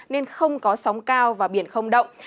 nên không có sóng cao và biển không động